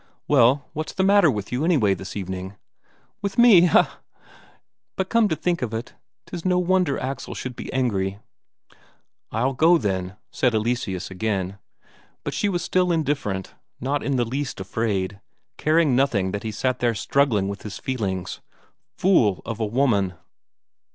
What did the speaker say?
"Well, what's the matter with you, anyway, this evening?" "With me? Ha ha ha! But come to think of it, 'tis no wonder Axel should be angry." "I'll go, then," said Eleseus again. But she was still indifferent, not in the least afraid, caring nothing that he sat there struggling with his feelings. Fool of a woman!